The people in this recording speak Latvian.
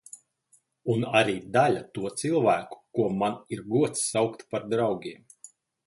Un arī daļa to cilvēku, ko man ir gods saukt par draugiem.